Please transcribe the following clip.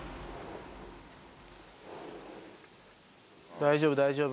大丈夫大丈夫。